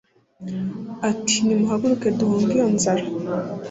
ati “Nimuhaguruke duhunge iyo nzara